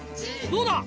どうだ？